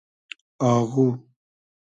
آغو